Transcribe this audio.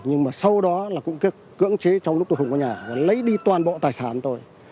nhưng mà sau đó là cũng cứ cưỡng chế trong lúc tôi không có nhà và lấy đi toàn bộ tài sản tôi